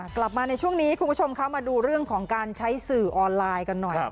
กลับมาในช่วงนี้คุณผู้ชมคะมาดูเรื่องของการใช้สื่อออนไลน์กันหน่อย